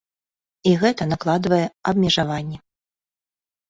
І гэта накладвае абмежаванні.